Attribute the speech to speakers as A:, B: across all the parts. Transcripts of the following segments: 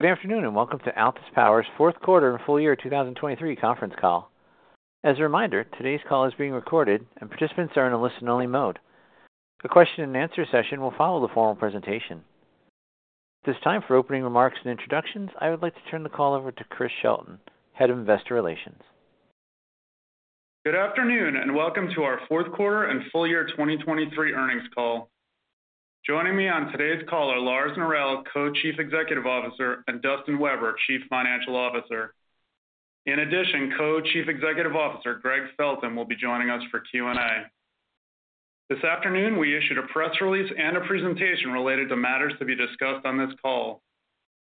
A: Good afternoon and welcome to Altus Power's fourth quarter and full year 2023 conference call. As a reminder, today's call is being recorded and participants are in a listen-only mode. A question-and-answer session will follow the formal presentation. At this time for opening remarks and introductions, I would like to turn the call over to Chris Shelton, Head of Investor Relations.
B: Good afternoon and welcome to our fourth quarter and full year 2023 earnings call. Joining me on today's call are Lars Norell, Co-Chief Executive Officer, and Dustin Weber, Chief Financial Officer. In addition, Co-Chief Executive Officer Gregg Felton will be joining us for Q&A. This afternoon we issued a press release and a presentation related to matters to be discussed on this call.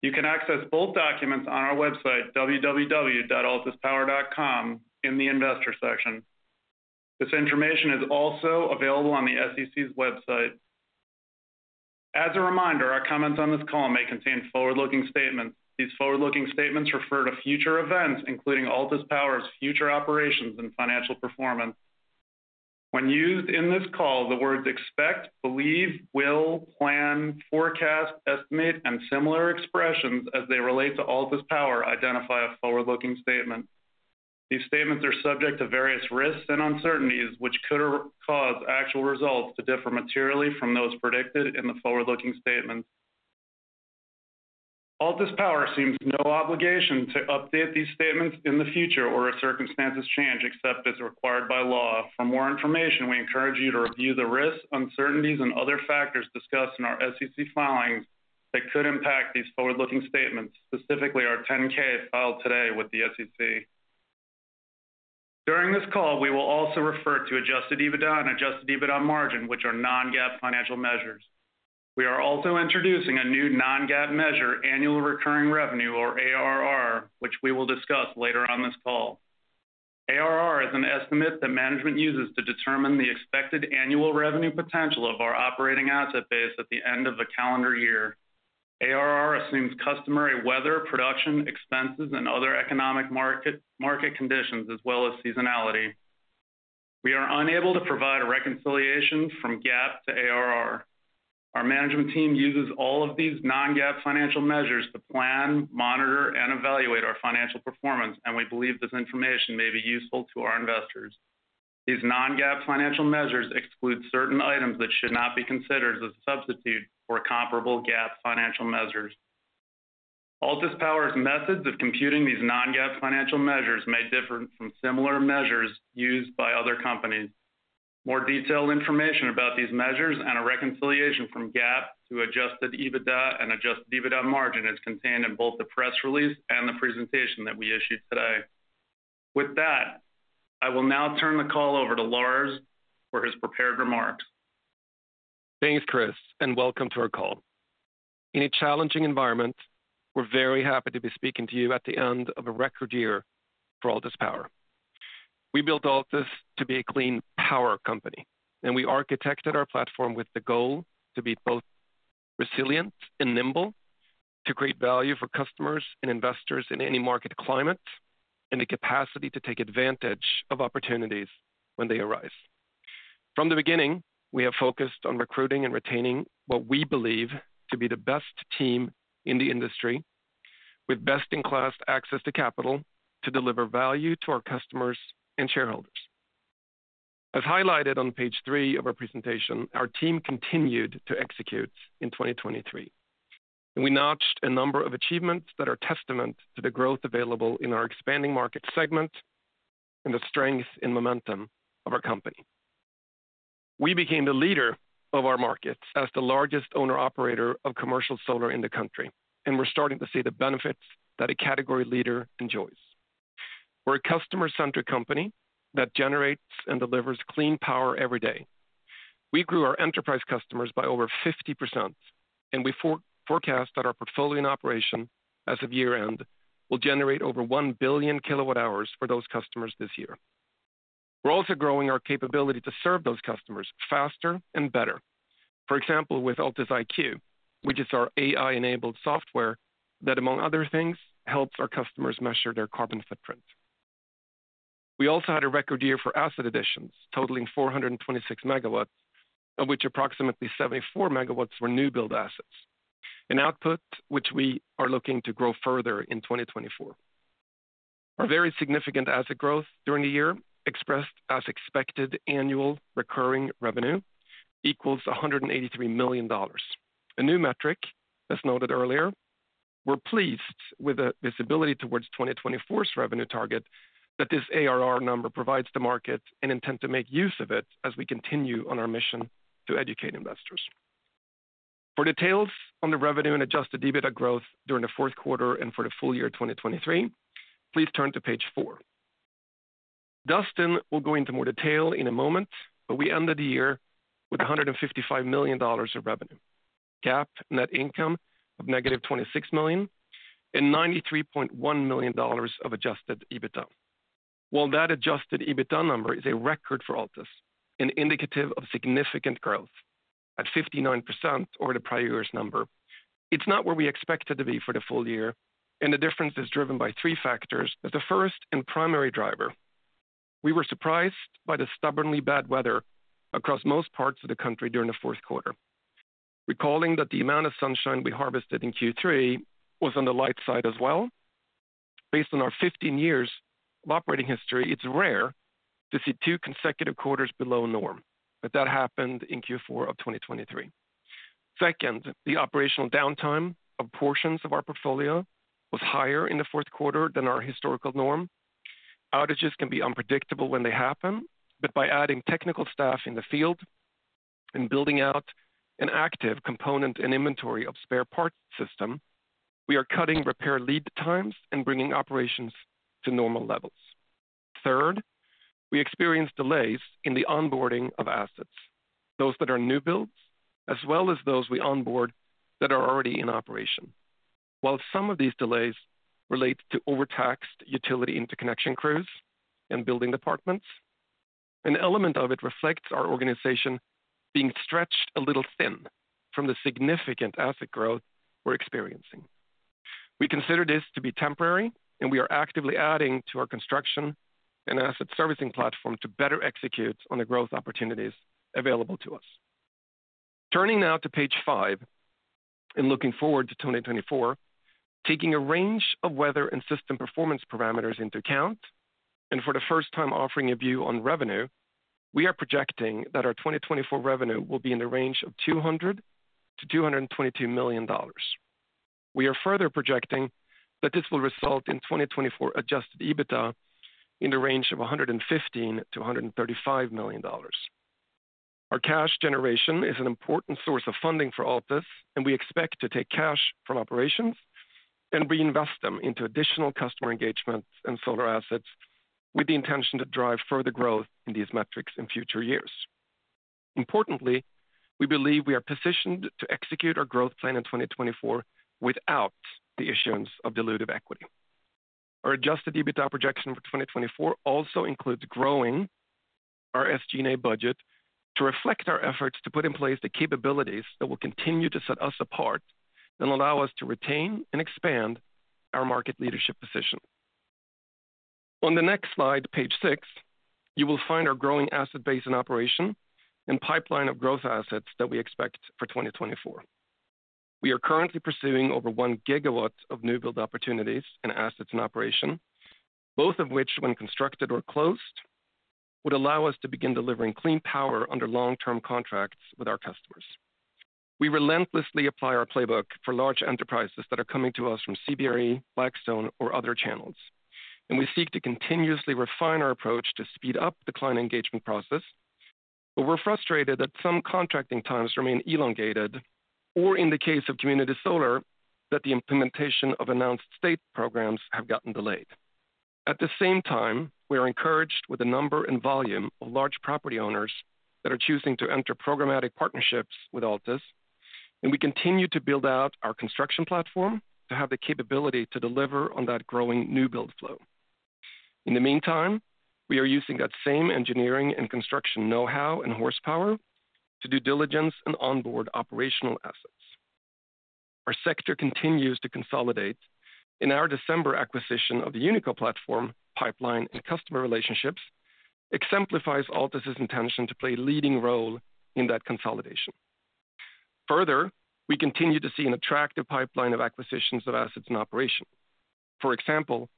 B: You can access both documents on our website www.altuspower.com in the investor section. This information is also available on the SEC's website. As a reminder, our comments on this call may contain forward-looking statements. These forward-looking statements refer to future events including Altus Power's future operations and financial performance. When used in this call, the words expect, believe, will, plan, forecast, estimate, and similar expressions as they relate to Altus Power identify a forward-looking statement. These statements are subject to various risks and uncertainties which could cause actual results to differ materially from those predicted in the forward-looking statements. Altus Power assumes no obligation to update these statements in the future or if circumstances change except as required by law. For more information, we encourage you to review the risks, uncertainties, and other factors discussed in our SEC filings that could impact these forward-looking statements, specifically our 10-K filed today with the SEC. During this call, we will also refer to Adjusted EBITDA and Adjusted EBITDA Margin, which are non-GAAP financial measures. We are also introducing a new non-GAAP measure, annual recurring revenue or ARR, which we will discuss later on this call. ARR is an estimate that management uses to determine the expected annual revenue potential of our operating asset base at the end of a calendar year. ARR assumes customary weather, production, expenses, and other economic market conditions as well as seasonality. We are unable to provide a reconciliation from GAAP to ARR. Our management team uses all of these non-GAAP financial measures to plan, monitor, and evaluate our financial performance, and we believe this information may be useful to our investors. These non-GAAP financial measures exclude certain items that should not be considered as a substitute for comparable GAAP financial measures. Altus Power's methods of computing these non-GAAP financial measures may differ from similar measures used by other companies. More detailed information about these measures and a reconciliation from GAAP to Adjusted EBITDA and Adjusted EBITDA Margin is contained in both the press release and the presentation that we issued today. With that, I will now turn the call over to Lars for his prepared remarks.
C: Thanks, Chris, and welcome to our call. In a challenging environment, we're very happy to be speaking to you at the end of a record year for Altus Power. We built Altus to be a clean power company, and we architected our platform with the goal to be both resilient and nimble, to create value for customers and investors in any market climate, and the capacity to take advantage of opportunities when they arise. From the beginning, we have focused on recruiting and retaining what we believe to be the best team in the industry, with best-in-class access to capital to deliver value to our customers and shareholders. As highlighted on page 3 of our presentation, our team continued to execute in 2023, and we notched a number of achievements that are testament to the growth available in our expanding market segment and the strength and momentum of our company. We became the leader of our markets as the largest owner-operator of commercial solar in the country, and we're starting to see the benefits that a category leader enjoys. We're a customer-centric company that generates and delivers clean power every day. We grew our enterprise customers by over 50%, and we forecast that our portfolio in operation as of year-end will generate over 1 billion kWh for those customers this year. We're also growing our capability to serve those customers faster and better. For example, with Altus IQ, which is our AI-enabled software that, among other things, helps our customers measure their carbon footprint. We also had a record year for asset additions totaling 426 MW, of which approximately 74 MW were new-built assets, an output which we are looking to grow further in 2024. Our very significant asset growth during the year, expressed as expected annual recurring revenue, equals $183 million, a new metric as noted earlier. We're pleased with the visibility towards 2024's revenue target that this ARR number provides the market and intend to make use of it as we continue on our mission to educate investors. For details on the revenue and Adjusted EBITDA growth during the fourth quarter and for the full year 2023, please turn to page 4. Dustin will go into more detail in a moment, but we ended the year with $155 million of revenue, GAAP net income of -$26 million, and $93.1 million of Adjusted EBITDA. While that Adjusted EBITDA number is a record for Altus, and indicative of significant growth at 59% over the prior year's number, it's not where we expected to be for the full year, and the difference is driven by three factors. As the first and primary driver, we were surprised by the stubbornly bad weather across most parts of the country during the fourth quarter, recalling that the amount of sunshine we harvested in Q3 was on the light side as well. Based on our 15 years of operating history, it's rare to see two consecutive quarters below norm, but that happened in Q4 of 2023. Second, the operational downtime of portions of our portfolio was higher in the fourth quarter than our historical norm. Outages can be unpredictable when they happen, but by adding technical staff in the field and building out an active component and inventory of spare parts system, we are cutting repair lead times and bringing operations to normal levels. Third, we experienced delays in the onboarding of assets, those that are new builds as well as those we onboard that are already in operation. While some of these delays relate to overtaxed utility interconnection crews and building departments, an element of it reflects our organization being stretched a little thin from the significant asset growth we're experiencing. We consider this to be temporary, and we are actively adding to our construction and asset servicing platform to better execute on the growth opportunities available to us. Turning now to page five and looking forward to 2024, taking a range of weather and system performance parameters into account and for the first time offering a view on revenue, we are projecting that our 2024 revenue will be in the range of $200 million-$222 million. We are further projecting that this will result in 2024 Adjusted EBITDA in the range of $115 million-$135 million. Our cash generation is an important source of funding for Altus, and we expect to take cash from operations and reinvest them into additional customer engagement and solar assets with the intention to drive further growth in these metrics in future years. Importantly, we believe we are positioned to execute our growth plan in 2024 without the issuance of dilutive equity. Our Adjusted EBITDA projection for 2024 also includes growing our SG&A budget to reflect our efforts to put in place the capabilities that will continue to set us apart and allow us to retain and expand our market leadership position. On the next slide, page 6, you will find our growing asset base in operation and pipeline of growth assets that we expect for 2024. We are currently pursuing over 1 GW of new-built opportunities and assets in operation, both of which, when constructed or closed, would allow us to begin delivering clean power under long-term contracts with our customers. We relentlessly apply our playbook for large enterprises that are coming to us from CBRE, Blackstone, or other channels, and we seek to continuously refine our approach to speed up the client engagement process, but we're frustrated that some contracting times remain elongated or, in the case of community solar, that the implementation of announced state programs have gotten delayed. At the same time, we are encouraged with the number and volume of large property owners that are choosing to enter programmatic partnerships with Altus, and we continue to build out our construction platform to have the capability to deliver on that growing new-build flow. In the meantime, we are using that same engineering and construction know-how and horsepower to do diligence and onboard operational assets. Our sector continues to consolidate, and our December acquisition of the Unico platform pipeline and customer relationships exemplifies Altus's intention to play a leading role in that consolidation. Further, we continue to see an attractive pipeline of acquisitions of assets in operation. For example,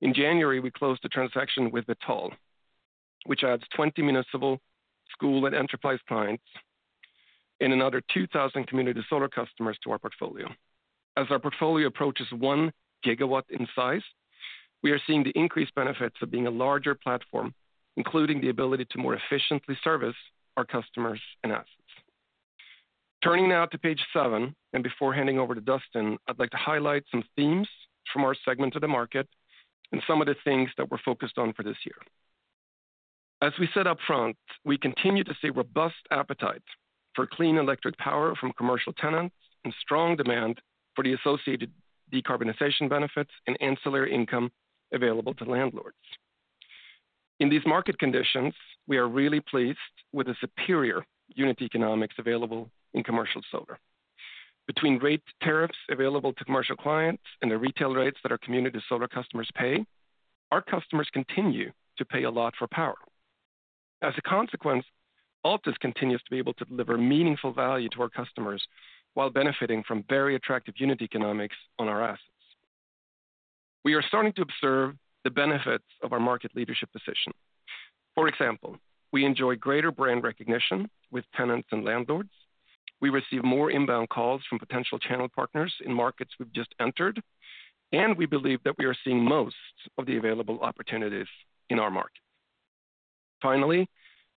C: in January, we closed a transaction with Vitol, which adds 20 municipal school and enterprise clients and another 2,000 community solar customers to our portfolio. As our portfolio approaches 1 GW in size, we are seeing the increased benefits of being a larger platform, including the ability to more efficiently service our customers and assets. Turning now to page seven, and before handing over to Dustin, I'd like to highlight some themes from our segment of the market and some of the things that we're focused on for this year. As we said upfront, we continue to see robust appetite for clean electric power from commercial tenants and strong demand for the associated decarbonization benefits and ancillary income available to landlords. In these market conditions, we are really pleased with the superior unit economics available in commercial solar. Between rate tariffs available to commercial clients and the retail rates that our community solar customers pay, our customers continue to pay a lot for power. As a consequence, Altus continues to be able to deliver meaningful value to our customers while benefiting from very attractive unit economics on our assets. We are starting to observe the benefits of our market leadership position. For example, we enjoy greater brand recognition with tenants and landlords. We receive more inbound calls from potential channel partners in markets we've just entered, and we believe that we are seeing most of the available opportunities in our market. Finally,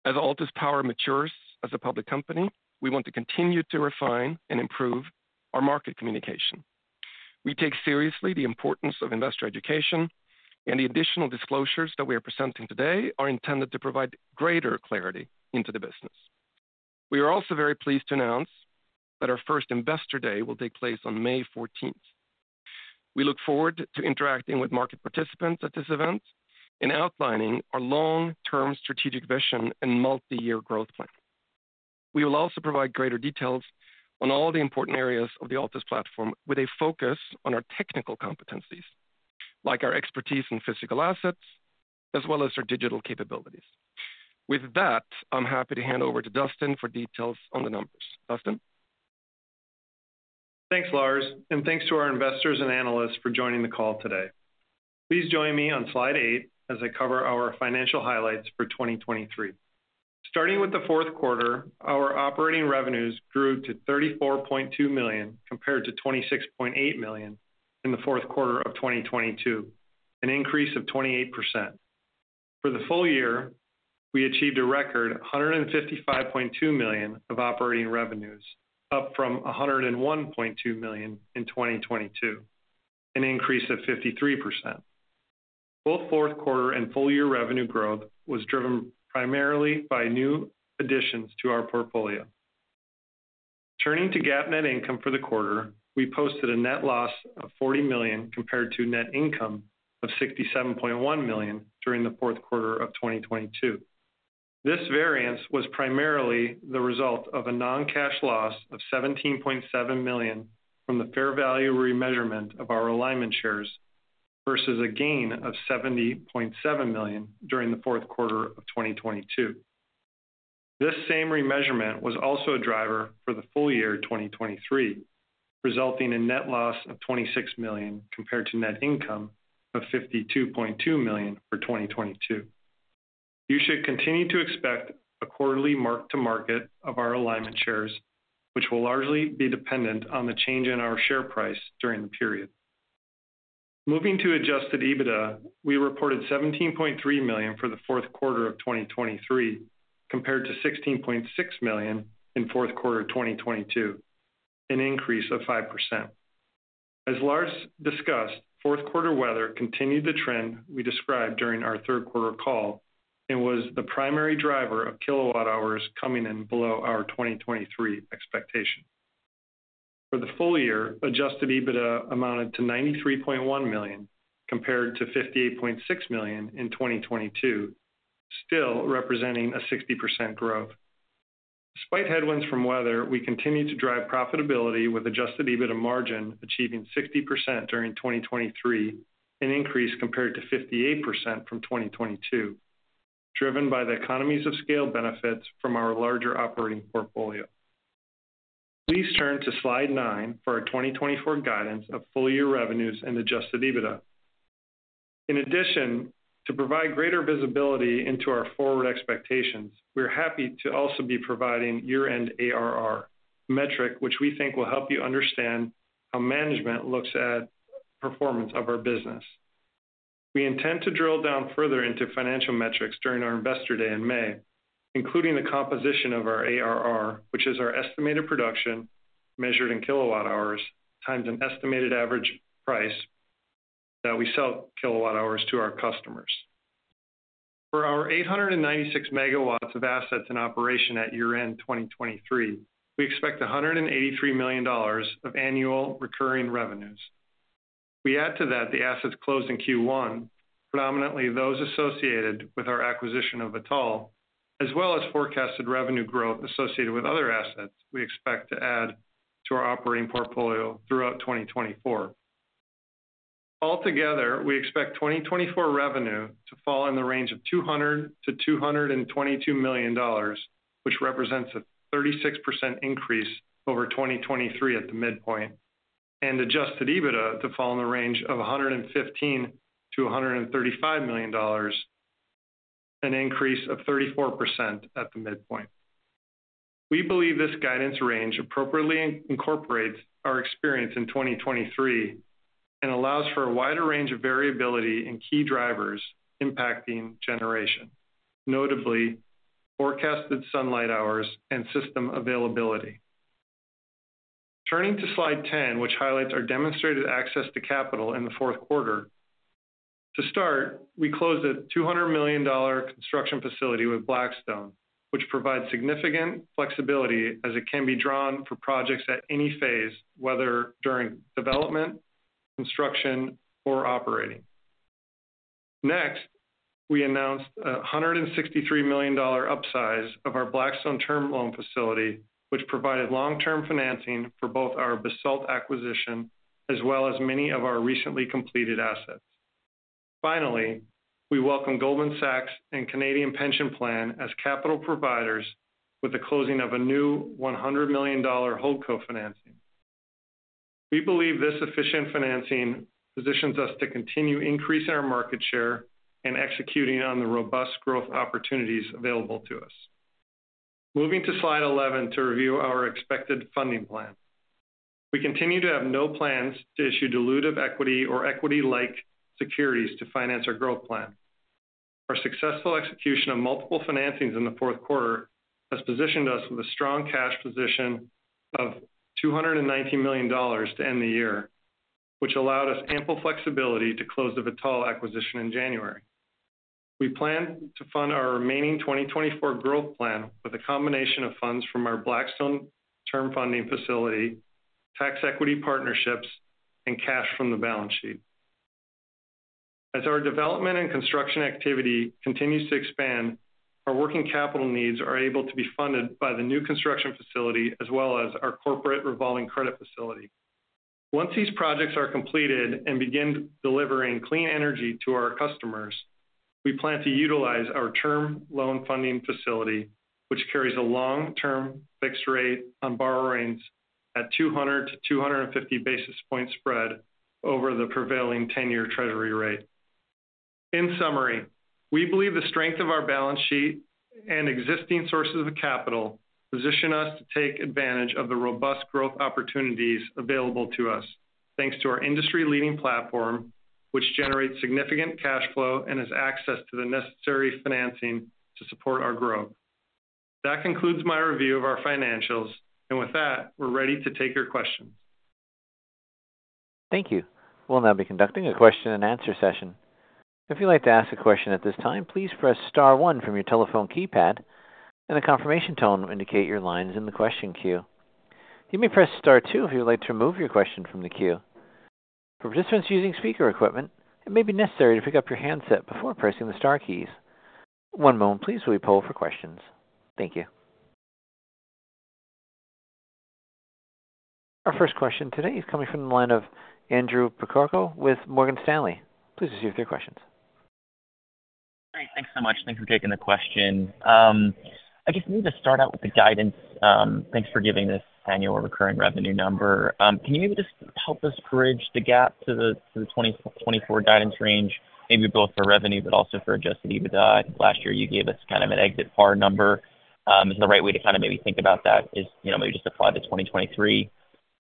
C: as Altus Power matures as a public company, we want to continue to refine and improve our market communication. We take seriously the importance of investor education, and the additional disclosures that we are presenting today are intended to provide greater clarity into the business. We are also very pleased to announce that our first investor day will take place on May 14th. We look forward to interacting with market participants at this event and outlining our long-term strategic vision and multi-year growth plan. We will also provide greater details on all the important areas of the Altus platform with a focus on our technical competencies, like our expertise in physical assets as well as our digital capabilities. With that, I'm happy to hand over to Dustin for details on the numbers. Dustin?
D: Thanks, Lars, and thanks to our investors and analysts for joining the call today. Please join me on slide eight as I cover our financial highlights for 2023. Starting with the fourth quarter, our operating revenues grew to $34.2 million compared to $26.8 million in the fourth quarter of 2022, an increase of 28%. For the full year, we achieved a record $155.2 million of operating revenues, up from $101.2 million in 2022, an increase of 53%. Both fourth quarter and full-year revenue growth was driven primarily by new additions to our portfolio. Turning to GAAP net income for the quarter, we posted a net loss of $40 million compared to net income of $67.1 million during the fourth quarter of 2022.
E: This variance was primarily the result of a non-cash loss of $17.7 million from the fair value remeasurement of our Alignment Shares versus a gain of $70.7 million during the fourth quarter of 2022. This same remeasurement was also a driver for the full year 2023, resulting in net loss of $26 million compared to net income of $52.2 million for 2022. You should continue to expect a quarterly mark-to-market of our Alignment Shares, which will largely be dependent on the change in our share price during the period. Moving to Adjusted EBITDA, we reported $17.3 million for the fourth quarter of 2023 compared to $16.6 million in fourth quarter 2022, an increase of 5%. As Lars discussed, fourth quarter weather continued the trend we described during our third quarter call and was the primary driver of kilowatt-hours coming in below our 2023 expectation. For the full year, Adjusted EBITDA amounted to $93.1 million compared to $58.6 million in 2022, still representing 60% growth. Despite headwinds from weather, we continue to drive profitability with Adjusted EBITDA Margin achieving 60% during 2023, an increase compared to 58% from 2022, driven by the economies of scale benefits from our larger operating portfolio. Please turn to slide nine for our 2024 guidance of full-year revenues and Adjusted EBITDA. In addition, to provide greater visibility into our forward expectations, we are happy to also be providing year-end ARR metric, which we think will help you understand how management looks at performance of our business. We intend to drill down further into financial metrics during our investor day in May, including the composition of our ARR, which is our estimated production measured in kilowatt-hours times an estimated average price that we sell kilowatt-hours to our customers. For our 896 MW of assets in operation at year-end 2023, we expect $183 million of annual recurring revenues. We add to that the assets closed in Q1, predominantly those associated with our acquisition of Vitol, as well as forecasted revenue growth associated with other assets we expect to add to our operating portfolio throughout 2024. Altogether, we expect 2024 revenue to fall in the range of $200-$222 million, which represents a 36% increase over 2023 at the midpoint, and Adjusted EBITDA to fall in the range of $115-$135 million, an increase of 34% at the midpoint. We believe this guidance range appropriately incorporates our experience in 2023 and allows for a wider range of variability in key drivers impacting generation, notably forecasted sunlight hours and system availability. Turning to slide 10, which highlights our demonstrated access to capital in the fourth quarter. To start, we closed a $200 million construction facility with Blackstone, which provides significant flexibility as it can be drawn for projects at any phase, whether during development, construction, or operating. Next, we announced a $163 million upsize of our Blackstone term loan facility, which provided long-term financing for both our Basalt acquisition as well as many of our recently completed assets. Finally, we welcome Goldman Sachs and Canada Pension Plan as capital providers with the closing of a new $100 million holdco-financing. We believe this efficient financing positions us to continue increasing our market share and executing on the robust growth opportunities available to us. Moving to slide 11 to review our expected funding plan. We continue to have no plans to issue dilutive equity or equity-like securities to finance our growth plan. Our successful execution of multiple financings in the fourth quarter has positioned us with a strong cash position of $219 million to end the year, which allowed us ample flexibility to close the Vitol acquisition in January. We plan to fund our remaining 2024 growth plan with a combination of funds from our Blackstone term funding facility, tax equity partnerships, and cash from the balance sheet. As our development and construction activity continues to expand, our working capital needs are able to be funded by the new construction facility as well as our corporate revolving credit facility. Once these projects are completed and begin delivering clean energy to our customers, we plan to utilize our term loan funding facility, which carries a long-term fixed rate on borrowings at 200-250 basis points spread over the prevailing 10-year treasury rate. In summary, we believe the strength of our balance sheet and existing sources of capital position us to take advantage of the robust growth opportunities available to us, thanks to our industry-leading platform, which generates significant cash flow and has access to the necessary financing to support our growth. That concludes my review of our financials, and with that, we're ready to take your questions.
A: Thank you. We'll now be conducting a question and answer session. If you'd like to ask a question at this time, please press star one from your telephone keypad, and the confirmation tone will indicate your line's in the question queue. You may press star two if you'd like to remove your question from the queue. For participants using speaker equipment, it may be necessary to pick up your handset before pressing the star keys. One moment, please, while we poll for questions. Thank you. Our first question today is coming from the line of Andrew Percoco with Morgan Stanley. Please proceed with your question.
F: Great. Thanks so much. Thanks for taking the question. I guess maybe to start out with the guidance, thanks for giving this annual recurring revenue number. Can you maybe just help us bridge the gap to the 2024 guidance range, maybe both for revenue but also for Adjusted EBITDA? I think last year you gave us kind of an exit par number. Is the right way to kind of maybe think about that is maybe just apply the 2023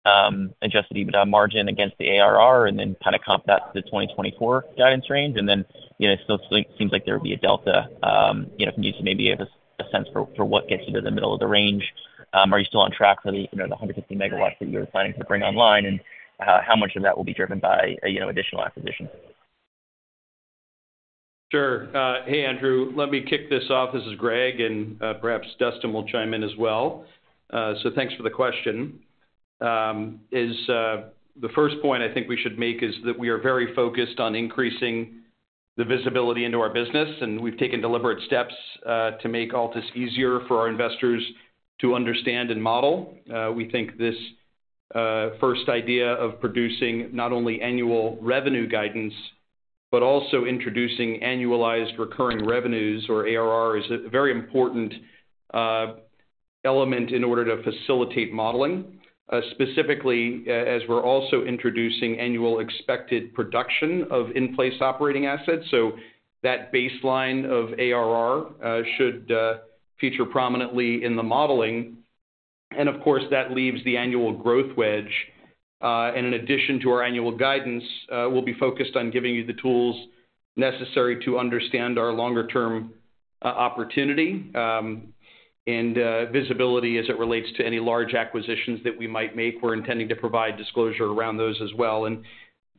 F: Adjusted EBITDA Margin against the ARR and then kind of comp that to the 2024 guidance range? And then it still seems like there would be a delta. If you could maybe give us a sense for what gets you to the middle of the range, are you still on track for the 150 MW that you were planning to bring online, and how much of that will be driven by additional acquisitions?
D: Sure. Hey, Andrew. Let me kick this off. This is Gregg, and perhaps Dustin will chime in as well. So thanks for the question. The first point I think we should make is that we are very focused on increasing the visibility into our business, and we've taken deliberate steps to make Altus easier for our investors to understand and model. We think this first idea of producing not only annual revenue guidance but also introducing annualized recurring revenues, or ARR, is a very important element in order to facilitate modeling, specifically as we're also introducing annual expected production of in-place operating assets. So that baseline of ARR should feature prominently in the modeling. And of course, that leaves the annual growth wedge. In addition to our annual guidance, we'll be focused on giving you the tools necessary to understand our longer-term opportunity and visibility as it relates to any large acquisitions that we might make. We're intending to provide disclosure around those as well.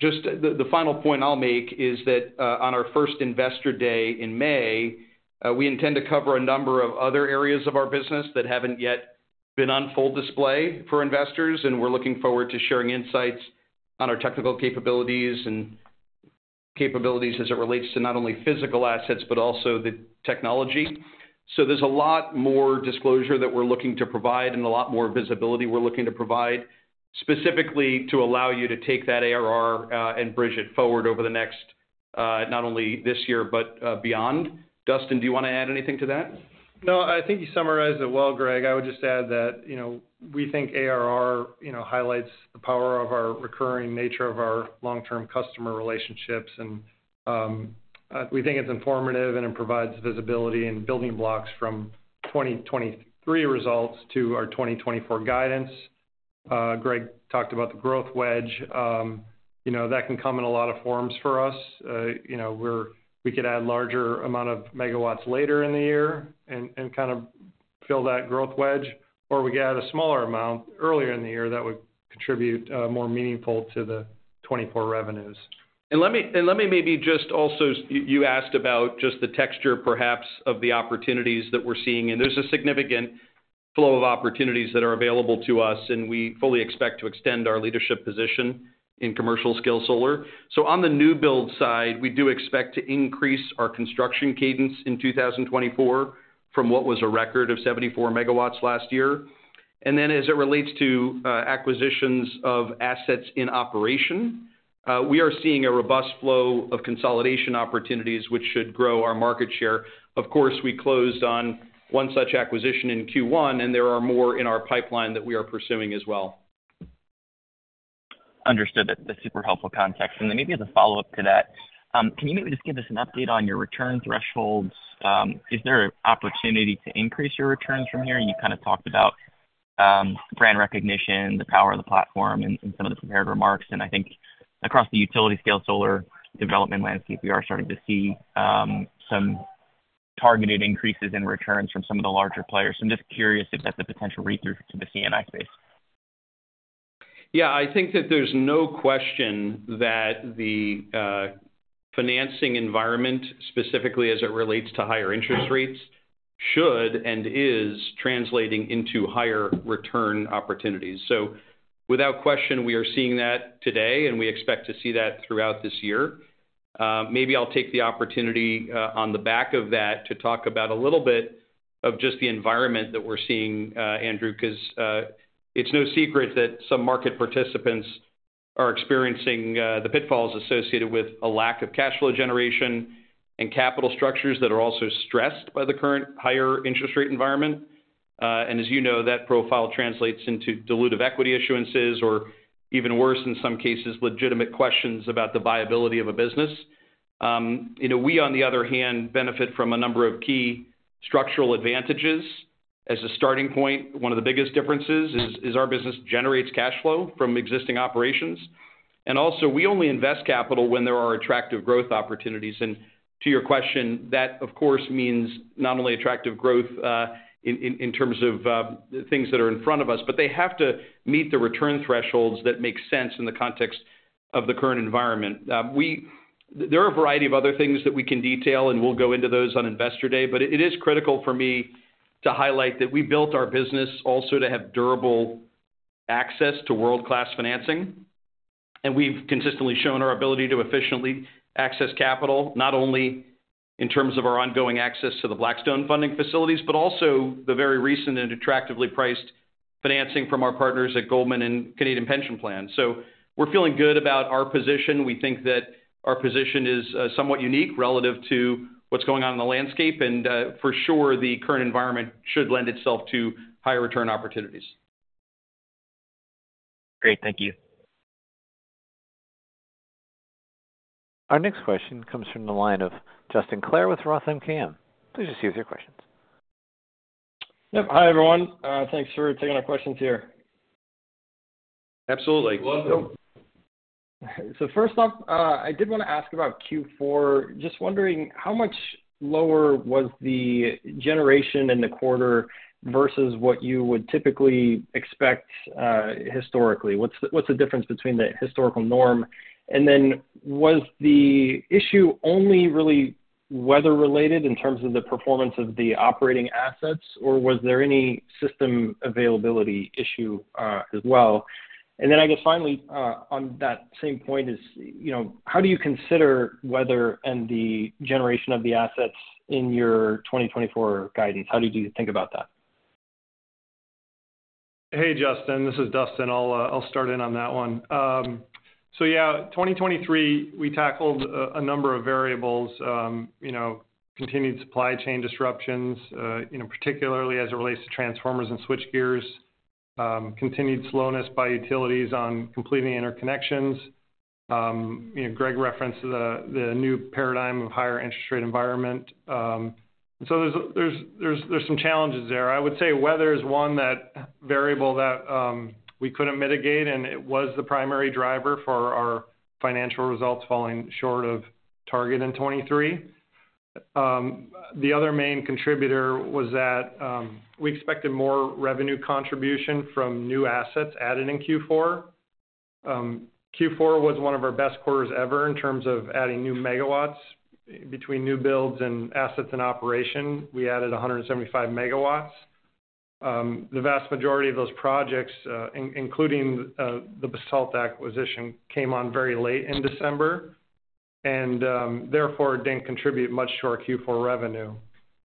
D: Just the final point I'll make is that on our first investor day in May, we intend to cover a number of other areas of our business that haven't yet been on full display for investors, and we're looking forward to sharing insights on our technical capabilities and capabilities as it relates to not only physical assets but also the technology. There's a lot more disclosure that we're looking to provide and a lot more visibility we're looking to provide, specifically to allow you to take that ARR and bridge it forward over the next not only this year but beyond. Dustin, do you want to add anything to that?
E: No, I think you summarized it well, Gregg. I would just add that we think ARR highlights the power of our recurring nature of our long-term customer relationships, and we think it's informative and it provides visibility and building blocks from 2023 results to our 2024 guidance. Gregg talked about the growth wedge. That can come in a lot of forms for us. We could add a larger amount of megawatts later in the year and kind of fill that growth wedge, or we could add a smaller amount earlier in the year that would contribute more meaningful to the 2024 revenues.
D: And let me maybe just also you asked about just the texture, perhaps, of the opportunities that we're seeing. And there's a significant flow of opportunities that are available to us, and we fully expect to extend our leadership position in commercial scale solar. So on the new build side, we do expect to increase our construction cadence in 2024 from what was a record of 74 MW last year. And then as it relates to acquisitions of assets in operation, we are seeing a robust flow of consolidation opportunities, which should grow our market share. Of course, we closed on one such acquisition in Q1, and there are more in our pipeline that we are pursuing as well.
F: Understood. That's super helpful context. And then maybe as a follow-up to that, can you maybe just give us an update on your return thresholds? Is there an opportunity to increase your returns from here? You kind of talked about brand recognition, the power of the platform, and some of the prepared remarks. And I think across the utility-scale solar development landscape, we are starting to see some targeted increases in returns from some of the larger players. I'm just curious if that's a potential read-through to the CNI space.
D: Yeah, I think that there's no question that the financing environment, specifically as it relates to higher interest rates, should and is translating into higher return opportunities. So without question, we are seeing that today, and we expect to see that throughout this year. Maybe I'll take the opportunity on the back of that to talk about a little bit of just the environment that we're seeing, Andrew, because it's no secret that some market participants are experiencing the pitfalls associated with a lack of cash flow generation and capital structures that are also stressed by the current higher interest rate environment. As you know, that profile translates into dilutive equity issuances or, even worse in some cases, legitimate questions about the viability of a business. We, on the other hand, benefit from a number of key structural advantages. As a starting point, one of the biggest differences is our business generates cash flow from existing operations. And also, we only invest capital when there are attractive growth opportunities. And to your question, that, of course, means not only attractive growth in terms of things that are in front of us, but they have to meet the return thresholds that make sense in the context of the current environment. There are a variety of other things that we can detail, and we'll go into those on investor day, but it is critical for me to highlight that we built our business also to have durable access to world-class financing. We've consistently shown our ability to efficiently access capital, not only in terms of our ongoing access to the Blackstone funding facilities but also the very recent and attractively priced financing from our partners at Goldman and Canada Pension Plan. We're feeling good about our position. We think that our position is somewhat unique relative to what's going on in the landscape, and for sure, the current environment should lend itself to higher return opportunities.
F: Great. Thank you.
A: Our next question comes from the line of Justin Clare with Roth MKM. Please proceed with your questions.
F: Yep. Hi, everyone. Thanks for taking our questions here.
D: Absolutely.
G: So first off, I did want to ask about Q4. Just wondering, how much lower was the generation in the quarter versus what you would typically expect historically? What's the difference between the historical norm? And then was the issue only really weather-related in terms of the performance of the operating assets, or was there any system availability issue as well? And then I guess finally, on that same point, is how do you consider weather and the generation of the assets in your 2024 guidance? How do you think about that?
E: Hey, Justin. This is Dustin. I'll start in on that one. So yeah, 2023, we tackled a number of variables: continued supply chain disruptions, particularly as it relates to transformers and switchgear, continued slowness by utilities on completing interconnections. Gregg referenced the new paradigm of higher interest rate environment. And so there's some challenges there. I would say weather is one variable that we couldn't mitigate, and it was the primary driver for our financial results falling short of target in 2023. The other main contributor was that we expected more revenue contribution from new assets added in Q4. Q4 was one of our best quarters ever in terms of adding new MW. Between new builds and assets in operation, we added 175 MW. The vast majority of those projects, including the Basalt acquisition, came on very late in December and therefore didn't contribute much to our Q4 revenue.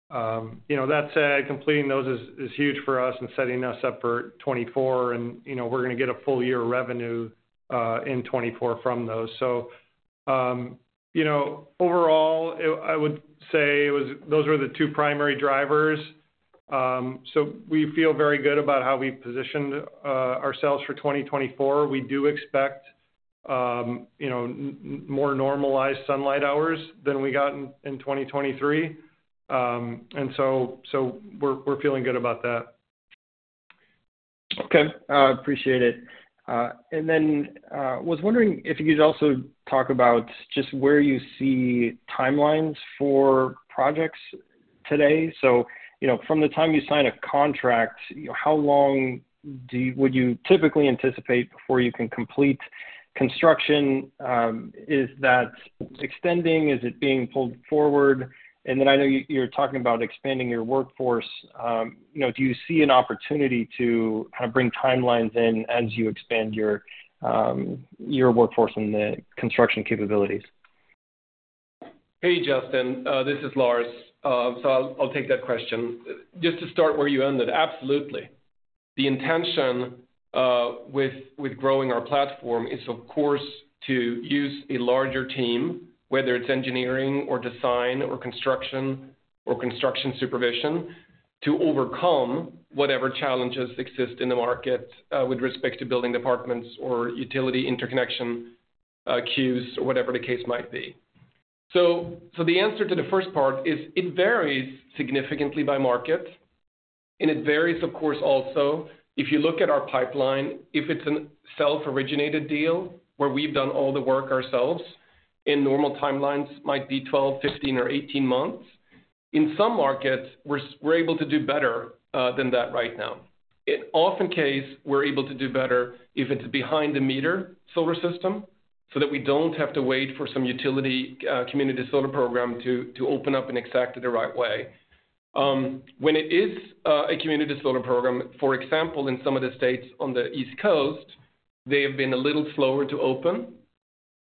E: That said, completing those is huge for us and setting us up for 2024, and we're going to get a full year revenue in 2024 from those. So overall, I would say those were the two primary drivers. So we feel very good about how we positioned ourselves for 2024. We do expect more normalized sunlight hours than we got in 2023, and so we're feeling good about that.
G: Okay. Appreciate it. And then I was wondering if you could also talk about just where you see timelines for projects today. So from the time you sign a contract, how long would you typically anticipate before you can complete construction? Is that extending? Is it being pulled forward? And then I know you're talking about expanding your workforce. Do you see an opportunity to kind of bring timelines in as you expand your workforce and the construction capabilities?
D: Hey, Justin. This is Lars. So I'll take that question. Just to start where you ended, absolutely. The intention with growing our platform is, of course, to use a larger team, whether it's engineering or design or construction or construction supervision, to overcome whatever challenges exist in the market with respect to building departments or utility interconnection queues or whatever the case might be. So the answer to the first part is it varies significantly by market, and it varies, of course, also. If you look at our pipeline, if it's a self-originated deal where we've done all the work ourselves, in normal timelines might be 12, 15, or 18 months. In some markets, we're able to do better than that right now. In many cases, we're able to do better if it's behind-the-meter solar system so that we don't have to wait for some utility community solar program to open up and execute it the right way. When it is a community solar program, for example, in some of the states on the East Coast, they have been a little slower to open,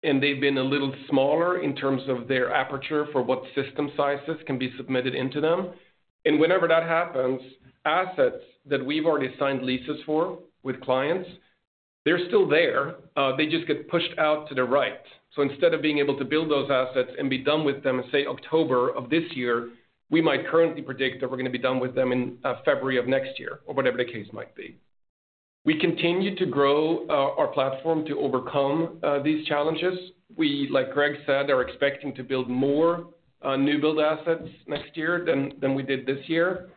D: and they've been a little smaller in terms of their appetite for what system sizes can be submitted into them. Whenever that happens, assets that we've already signed leases for with clients, they're still there. They just get pushed out to the right. So instead of being able to build those assets and be done with them in, say, October of this year, we might currently predict that we're going to be done with them in February of next year or whatever the case might be. We continue to grow our platform to overcome these challenges. We, like Gregg said, are expecting to build more new build assets next year than we did this year.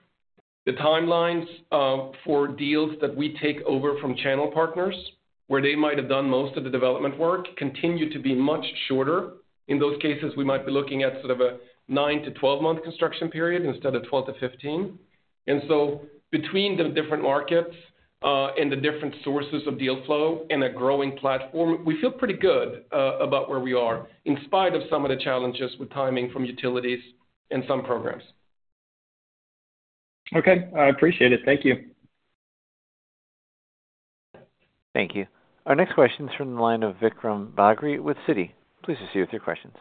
D: The timelines for deals that we take over from channel partners, where they might have done most of the development work, continue to be much shorter. In those cases, we might be looking at sort of a 9-12-month construction period instead of 12-15. So between the different markets and the different sources of deal flow and a growing platform, we feel pretty good about where we are in spite of some of the challenges with timing from utilities and some programs.
F: Okay. I appreciate it. Thank you.
A: Thank you. Our next question's from the line of Vikram Bagri with Citi. Please proceed with your questions.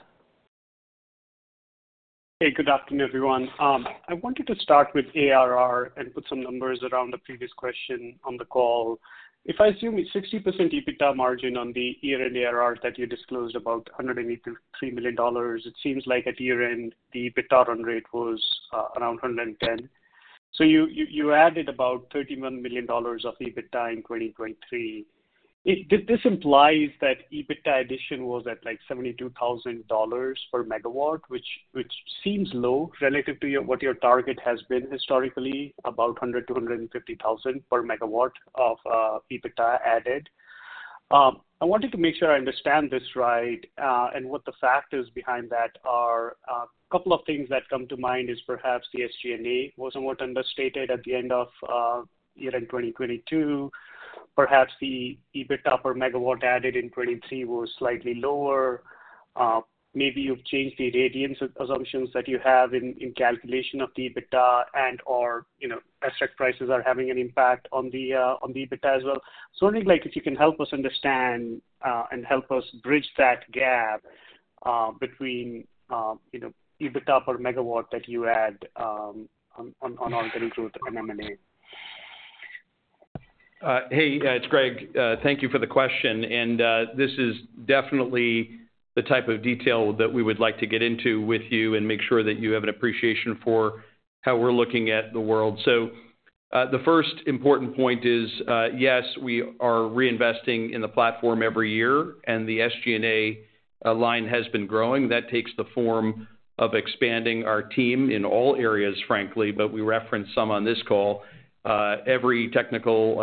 H: Hey, good afternoon, everyone. I wanted to start with ARR and put some numbers around the previous question on the call. If I assume it's 60% EBITDA margin on the year-end ARR that you disclosed, about $183 million, it seems like at year-end, the EBITDA run rate was around 110. So you added about $31 million of EBITDA in 2023. This implies that EBITDA addition was at like $72,000 per megawatt, which seems low relative to what your target has been historically, about 100,000-150,000 per megawatt of EBITDA added. I wanted to make sure I understand this right and what the factors behind that are. A couple of things that come to mind is perhaps the SG&A was somewhat understated at the end of year-end 2022. Perhaps the EBITDA per megawatt added in 2023 was slightly lower. Maybe you've changed the irradiance assumptions that you have in calculation of the EBITDA, and/or asset prices are having an impact on the EBITDA as well. So I'm wondering if you can help us understand and help us bridge that gap between EBITDA per megawatt that you add on organic growth and M&A.
D: Hey, it's Gregg. Thank you for the question. And this is definitely the type of detail that we would like to get into with you and make sure that you have an appreciation for how we're looking at the world. So the first important point is, yes, we are reinvesting in the platform every year, and the SG&A line has been growing. That takes the form of expanding our team in all areas, frankly, but we referenced some on this call. Every technical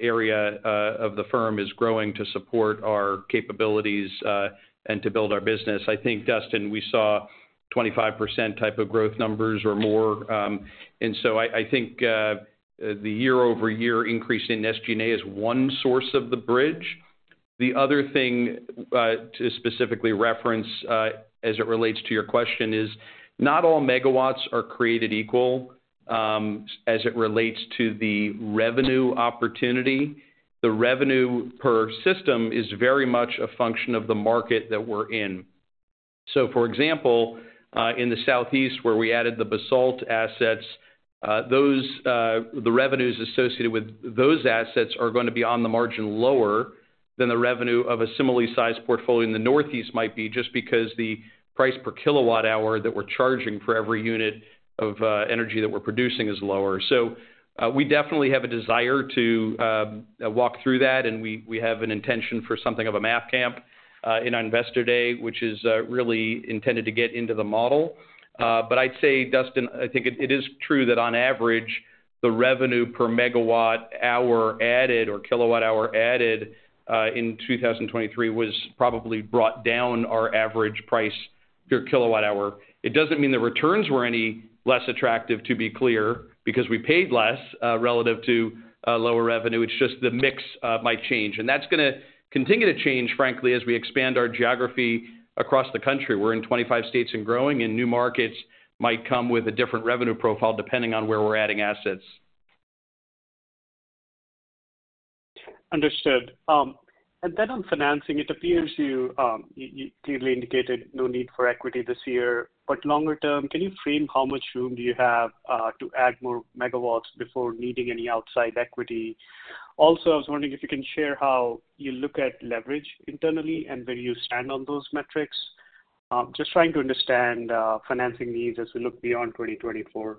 D: area of the firm is growing to support our capabilities and to build our business. I think, Dustin, we saw 25% type of growth numbers or more. And so I think the year-over-year increase in SG&A is one source of the bridge. The other thing to specifically reference as it relates to your question is not all megawatts are created equal as it relates to the revenue opportunity. The revenue per system is very much a function of the market that we're in. So for example, in the Southeast, where we added the Basalt assets, the revenues associated with those assets are going to be on the margin lower than the revenue of a similarly sized portfolio in the Northeast might be just because the price per kilowatt-hour that we're charging for every unit of energy that we're producing is lower. So we definitely have a desire to walk through that, and we have an intention for something of a Math Camp in our investor day, which is really intended to get into the model. But I'd say, Dustin, I think it is true that on average, the revenue per megawatt-hour added or kilowatt-hour added in 2023 was probably brought down our average price per kilowatt-hour. It doesn't mean the returns were any less attractive, to be clear, because we paid less relative to lower revenue. It's just the mix might change. And that's going to continue to change, frankly, as we expand our geography across the country. We're in 25 states and growing, and new markets might come with a different revenue profile depending on where we're adding assets.
H: Understood. Then on financing, it appears you clearly indicated no need for equity this year. Longer term, can you frame how much room do you have to add more megawatts before needing any outside equity? Also, I was wondering if you can share how you look at leverage internally and where you stand on those metrics, just trying to understand financing needs as we look beyond 2024?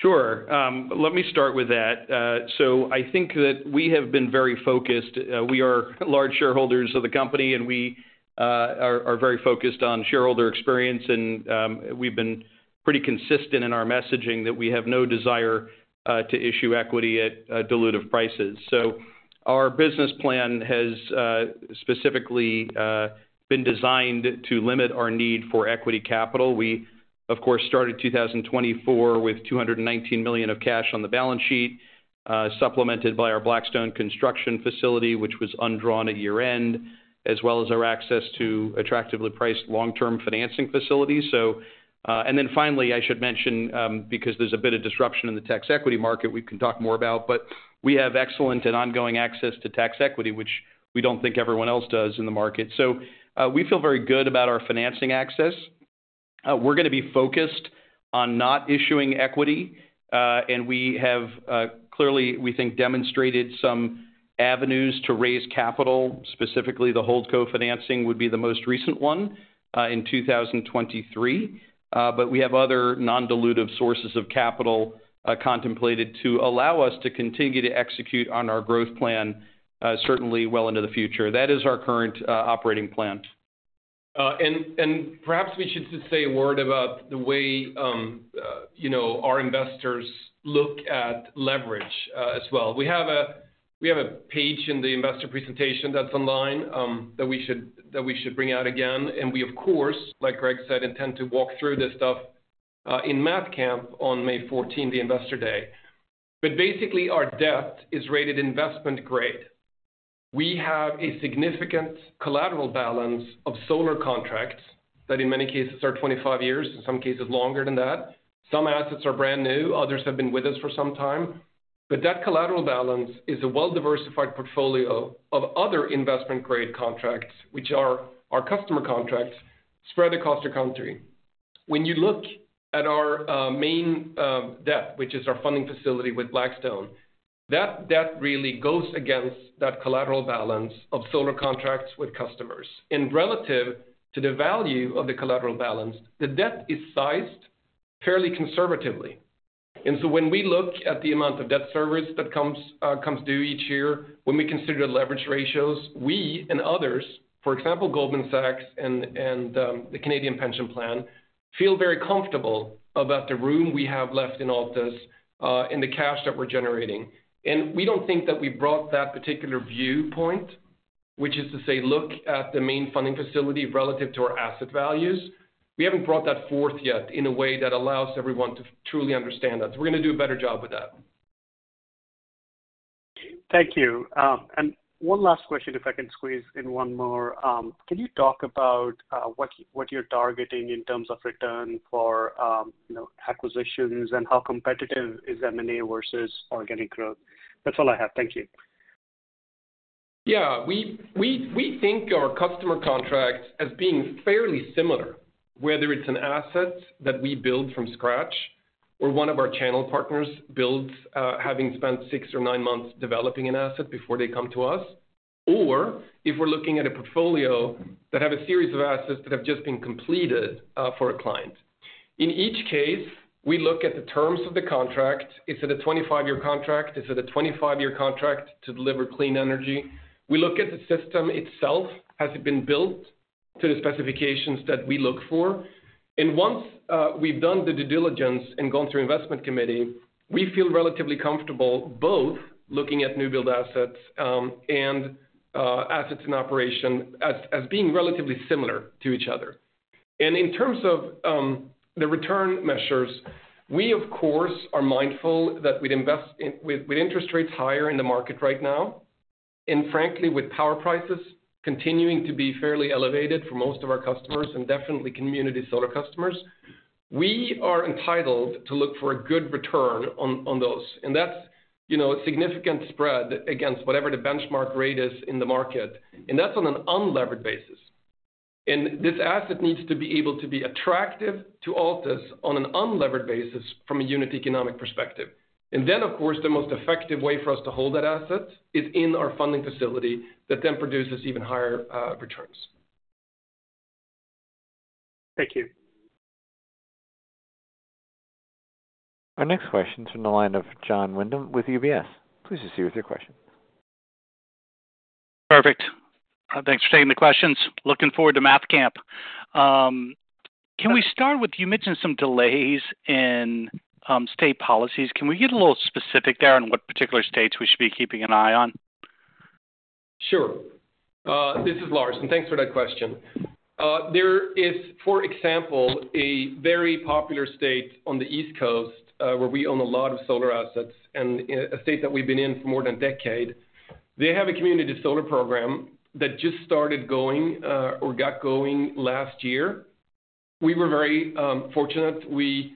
D: Sure. Let me start with that. So I think that we have been very focused. We are large shareholders of the company, and we are very focused on shareholder experience. And we've been pretty consistent in our messaging that we have no desire to issue equity at dilutive prices. So our business plan has specifically been designed to limit our need for equity capital. We, of course, started 2024 with $219 million of cash on the balance sheet, supplemented by our Blackstone construction facility, which was undrawn at year-end, as well as our access to attractively priced long-term financing facilities. And then finally, I should mention, because there's a bit of disruption in the tax equity market, we can talk more about, but we have excellent and ongoing access to tax equity, which we don't think everyone else does in the market. So we feel very good about our financing access. We're going to be focused on not issuing equity. And we have clearly, we think, demonstrated some avenues to raise capital. Specifically, the hold co-financing would be the most recent one in 2023. But we have other non-dilutive sources of capital contemplated to allow us to continue to execute on our growth plan certainly well into the future. That is our current operating plan. And perhaps we should just say a word about the way our investors look at leverage as well. We have a page in the investor presentation that's online that we should bring out again. And we, of course, like Gregg said, intend to walk through this stuff in Math Camp on May 14, the investor day. But basically, our debt is rated investment grade. We have a significant collateral balance of solar contracts that in many cases are 25 years, in some cases longer than that. Some assets are brand new. Others have been with us for some time. But that collateral balance is a well-diversified portfolio of other investment-grade contracts, which are our customer contracts spread across the country. When you look at our main debt, which is our funding facility with Blackstone, that debt really goes against that collateral balance of solar contracts with customers. And relative to the value of the collateral balance, the debt is sized fairly conservatively. And so when we look at the amount of debt service that comes due each year, when we consider leverage ratios, we and others, for example, Goldman Sachs and the Canadian Pension Plan, feel very comfortable about the room we have left in Altus and the cash that we're generating. We don't think that we brought that particular viewpoint, which is to say, look at the main funding facility relative to our asset values. We haven't brought that forth yet in a way that allows everyone to truly understand that. We're going to do a better job with that.
F: Thank you. And one last question, if I can squeeze in one more. Can you talk about what you're targeting in terms of return for acquisitions and how competitive is M&A versus organic growth? That's all I have. Thank you.
D: Yeah. We think our customer contracts as being fairly similar, whether it's an asset that we build from scratch or one of our channel partners builds having spent 6 or 9 months developing an asset before they come to us, or if we're looking at a portfolio that have a series of assets that have just been completed for a client. In each case, we look at the terms of the contract. Is it a 25-year contract? Is it a 25-year contract to deliver clean energy? We look at the system itself. Has it been built to the specifications that we look for? And once we've done the due diligence and gone through investment committee, we feel relatively comfortable both looking at new build assets and assets in operation as being relatively similar to each other. In terms of the return measures, we, of course, are mindful that with interest rates higher in the market right now and frankly, with power prices continuing to be fairly elevated for most of our customers and definitely community solar customers, we are entitled to look for a good return on those. And that's a significant spread against whatever the benchmark rate is in the market. And that's on an unlevered basis. And this asset needs to be able to be attractive to Altus on an unlevered basis from a unit economic perspective. And then, of course, the most effective way for us to hold that asset is in our funding facility that then produces even higher returns.
F: Thank you.
A: Our next question's from the line of Jon Windham with UBS. Please proceed with your question.
D: Perfect. Thanks for taking the questions. Looking forward to Math Camp. Can we start with you mentioned some delays in state policies? Can we get a little specific there on what particular states we should be keeping an eye on?
C: Sure. This is Lars, and thanks for that question. There is, for example, a very popular state on the East Coast where we own a lot of solar assets and a state that we've been in for more than a decade. They have a community solar program that just started going or got going last year. We were very fortunate. We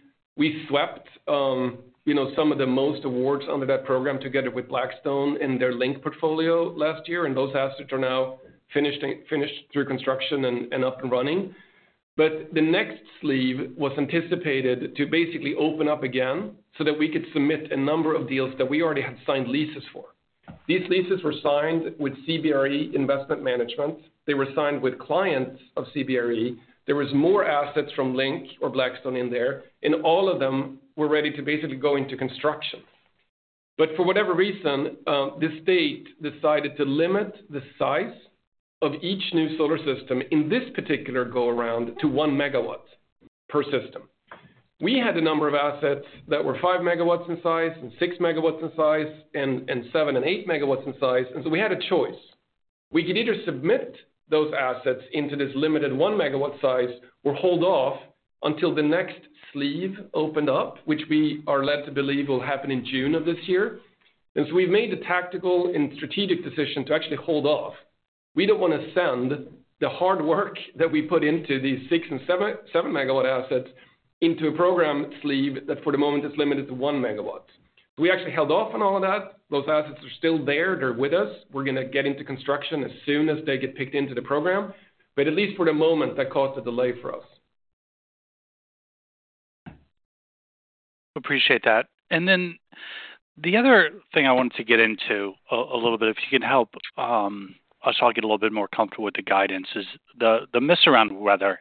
C: swept some of the most awards under that program together with Blackstone and their Link portfolio last year. And those assets are now finished through construction and up and running. But the next sleeve was anticipated to basically open up again so that we could submit a number of deals that we already had signed leases for. These leases were signed with CBRE Investment Management. They were signed with clients of CBRE. There was more assets from Link or Blackstone in there. All of them were ready to basically go into construction. But for whatever reason, this state decided to limit the size of each new solar system in this particular go-around to 1 MW per system. We had a number of assets that were 5 MW in size and 6 MW in size and 7 and 8 MW in size. And so we had a choice. We could either submit those assets into this limited 1 MW size or hold off until the next sleeve opened up, which we are led to believe will happen in June of this year. And so we've made the tactical and strategic decision to actually hold off. We don't want to send the hard work that we put into these 6 and 7 MW assets into a program sleeve that for the moment is limited to 1 MW. So we actually held off on all of that. Those assets are still there. They're with us. We're going to get into construction as soon as they get picked into the program. But at least for the moment, that caused a delay for us.
I: Appreciate that. And then the other thing I wanted to get into a little bit, if you can help us all get a little bit more comfortable with the guidance, is the miserable weather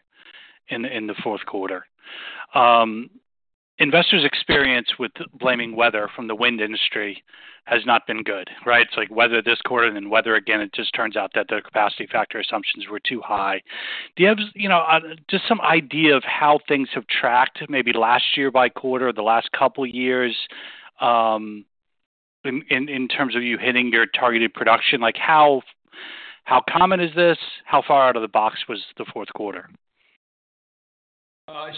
I: in the fourth quarter. Investors' experience with blaming weather from the wind industry has not been good, right? It's like weather this quarter and then weather again. It just turns out that the capacity factor assumptions were too high. Do you have just some idea of how things have tracked maybe last year by quarter or the last couple of years in terms of you hitting your targeted production? How common is this? How far out of the box was the fourth quarter?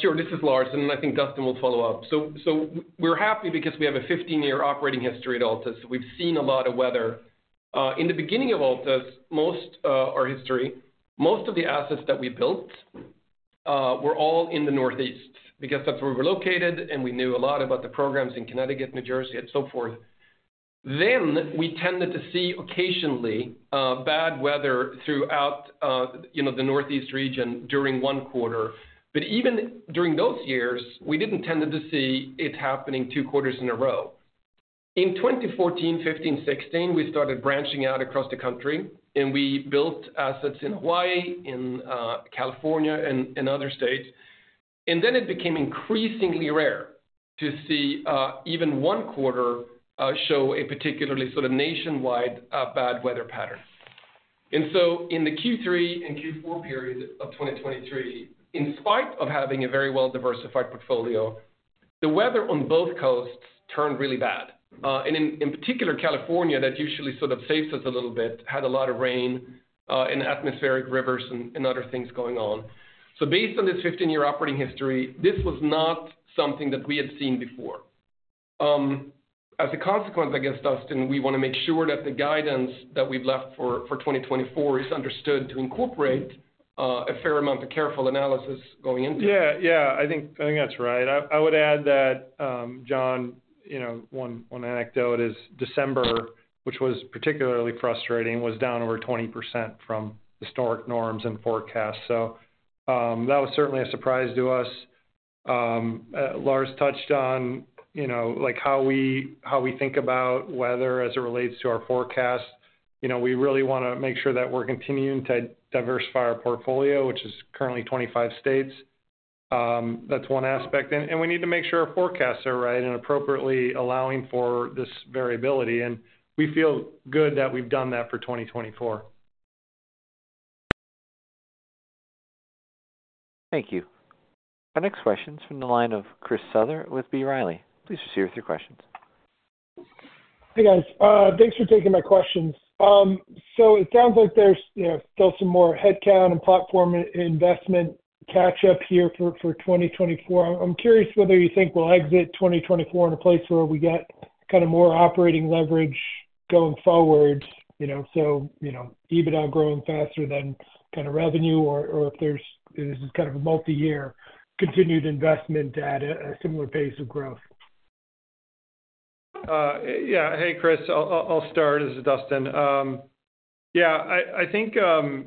C: Sure. This is Lars, and I think Dustin will follow up. So we're happy because we have a 15-year operating history at Altus. We've seen a lot of weather. In the beginning of Altus, most of our history, most of the assets that we built were all in the Northeast because that's where we were located, and we knew a lot about the programs in Connecticut, New Jersey, and so forth. Then we tended to see occasionally bad weather throughout the Northeast region during one quarter. But even during those years, we didn't tend to see it happening two quarters in a row. In 2014, 2015, 2016, we started branching out across the country, and we built assets in Hawaii, in California, and other states. And then it became increasingly rare to see even one quarter show a particularly sort of nationwide bad weather pattern. In the Q3 and Q4 period of 2023, in spite of having a very well-diversified portfolio, the weather on both coasts turned really bad. In particular, California, that usually sort of saves us a little bit, had a lot of rain and atmospheric rivers and other things going on. Based on this 15-year operating history, this was not something that we had seen before. As a consequence, I guess, Dustin, we want to make sure that the guidance that we've left for 2024 is understood to incorporate a fair amount of careful analysis going into it.
B: Yeah. Yeah. I think that's right. I would add that, Jon, one anecdote is December, which was particularly frustrating, was down over 20% from historic norms and forecasts. So that was certainly a surprise to us. Lars touched on how we think about weather as it relates to our forecasts. We really want to make sure that we're continuing to diversify our portfolio, which is currently 25 states. That's one aspect. And we need to make sure our forecasts are right and appropriately allowing for this variability. And we feel good that we've done that for 2024.
A: Thank you. Our next question's from the line of Chris Southerland with B. Riley. Please proceed with your questions.
F: Hey, guys. Thanks for taking my questions. So it sounds like there's still some more headcount and platform investment catch-up here for 2024. I'm curious whether you think we'll exit 2024 in a place where we get kind of more operating leverage going forward, so EBITDA growing faster than kind of revenue, or if this is kind of a multi-year continued investment at a similar pace of growth?
E: Yeah. Hey, Chris. I'll start as Dustin. Yeah. I think we're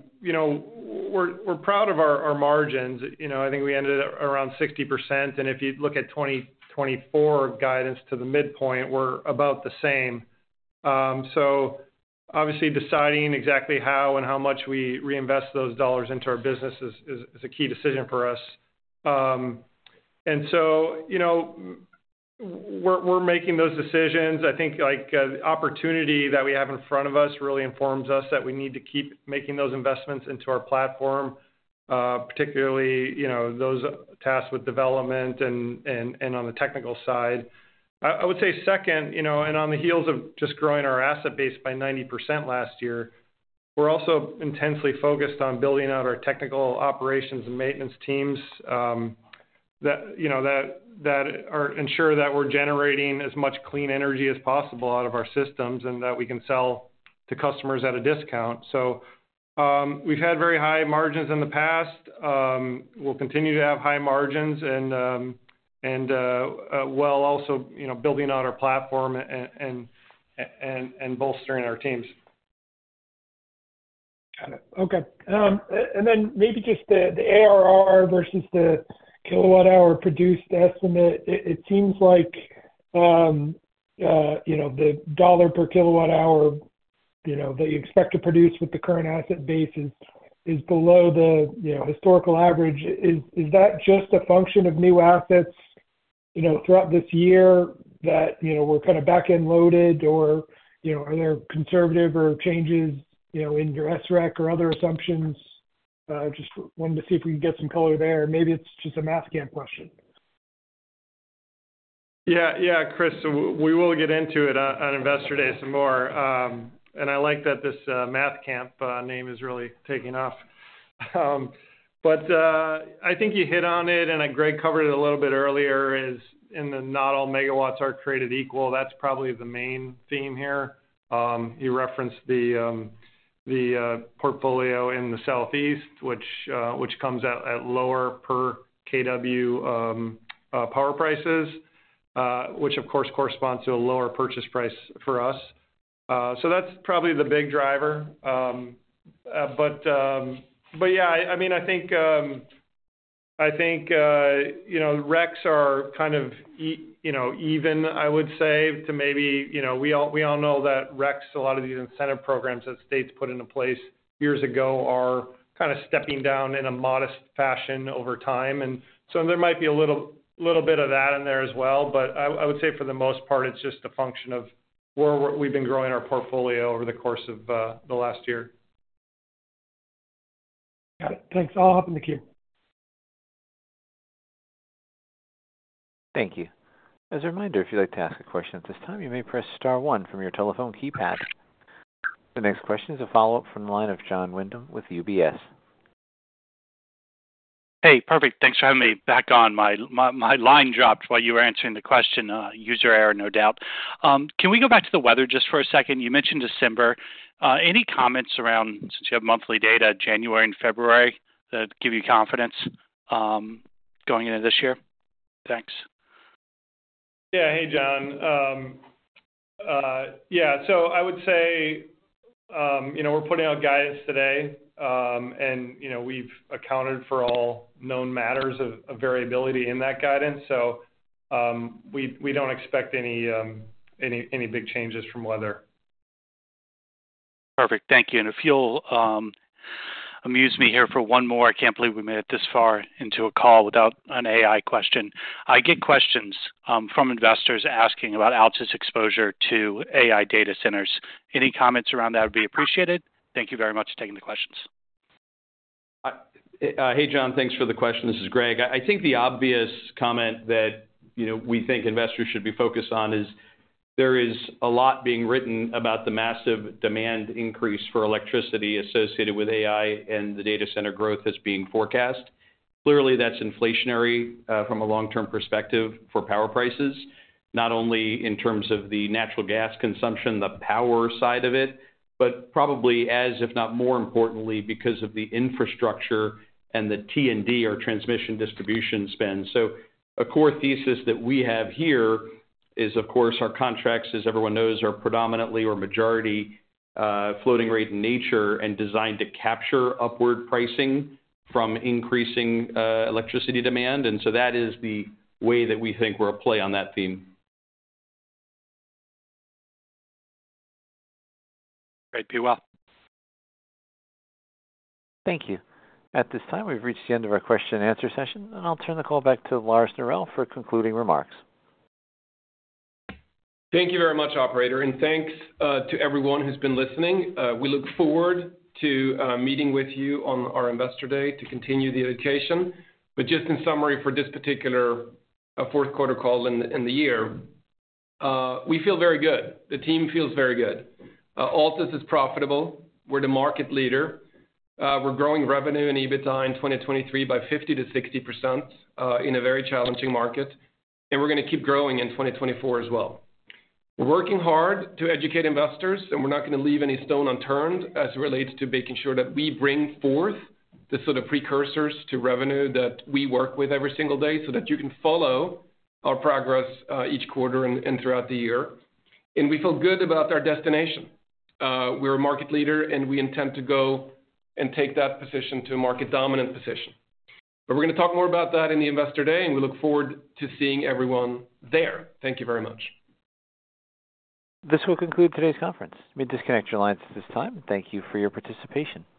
E: proud of our margins. I think we ended at around 60%. And if you look at 2024 guidance to the midpoint, we're about the same. So obviously, deciding exactly how and how much we reinvest those dollars into our business is a key decision for us. And so we're making those decisions. I think the opportunity that we have in front of us really informs us that we need to keep making those investments into our platform, particularly those tasks with development and on the technical side. I would say second, and on the heels of just growing our asset base by 90% last year, we're also intensely focused on building out our technical operations and maintenance teams that ensure that we're generating as much clean energy as possible out of our systems and that we can sell to customers at a discount. We've had very high margins in the past. We'll continue to have high margins while also building out our platform and bolstering our teams.
J: Got it. Okay. And then maybe just the ARR versus the kilowatt-hour produced estimate. It seems like the dollar per kilowatt-hour that you expect to produce with the current asset base is below the historical average. Is that just a function of new assets throughout this year that we're kind of back-end loaded, or are there conservative changes in your SREC or other assumptions? Just wanted to see if we could get some color there. Maybe it's just a Math Camp question.
B: Yeah. Yeah, Chris. We will get into it on Investor Day some more. And I like that this Math Camp name is really taking off. But I think you hit on it, and Gregg covered it a little bit earlier, is in the not all megawatts are created equal. That's probably the main theme here. You referenced the portfolio in the Southeast, which comes at lower per KW power prices, which, of course, corresponds to a lower purchase price for us. So that's probably the big driver. But yeah, I mean, I think RECs are kind of even, I would say, to maybe we all know that RECs, a lot of these incentive programs that states put into place years ago, are kind of stepping down in a modest fashion over time. And so there might be a little bit of that in there as well. I would say for the most part, it's just a function of where we've been growing our portfolio over the course of the last year.
F: Got it. Thanks. I'll hop on the queue.
A: Thank you. As a reminder, if you'd like to ask a question at this time, you may press star one from your telephone keypad. The next question is a follow-up from the line of Jon Windham with UBS.
D: Hey. Perfect. Thanks for having me back on. My line dropped while you were answering the question. User error, no doubt. Can we go back to the weather just for a second? You mentioned December. Any comments around since you have monthly data, January and February, that give you confidence going into this year? Thanks.
B: Yeah. Hey, Jon. Yeah. So I would say we're putting out guidance today. And we've accounted for all known matters of variability in that guidance. So we don't expect any big changes from weather.
I: Perfect. Thank you. And if you'll amuse me here for one more, I can't believe we made it this far into a call without an AI question. I get questions from investors asking about Altus' exposure to AI data centers. Any comments around that would be appreciated. Thank you very much for taking the questions.
C: Hey, Jon. Thanks for the question. This is Gregg. I think the obvious comment that we think investors should be focused on is there is a lot being written about the massive demand increase for electricity associated with AI, and the data center growth that's being forecast. Clearly, that's inflationary from a long-term perspective for power prices, not only in terms of the natural gas consumption, the power side of it, but probably, as if not more importantly, because of the infrastructure and the T&D or transmission distribution spend. So a core thesis that we have here is, of course, our contracts, as everyone knows, are predominantly or majority floating rate in nature and designed to capture upward pricing from increasing electricity demand. And so that is the way that we think we'll play on that theme.
D: Great. Be well.
A: Thank you. At this time, we've reached the end of our question and answer session. I'll turn the call back to Lars Norell for concluding remarks.
C: Thank you very much, operator. Thanks to everyone who's been listening. We look forward to meeting with you on our Investor Day to continue the education. But just in summary for this particular fourth-quarter call in the year, we feel very good. The team feels very good. Altus is profitable. We're the market leader. We're growing revenue and EBITDA in 2023 by 50%-60% in a very challenging market. We're going to keep growing in 2024 as well. We're working hard to educate investors. We're not going to leave any stone unturned as it relates to making sure that we bring forth the sort of precursors to revenue that we work with every single day so that you can follow our progress each quarter and throughout the year. We feel good about our destination. We're a market leader, and we intend to go and take that position to a market-dominant position. But we're going to talk more about that in the Investor Day, and we look forward to seeing everyone there. Thank you very much.
A: This will conclude today's conference. I mean, disconnect your lines at this time. Thank you for your participation.